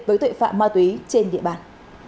với tội phạm ma túy trên địa bàn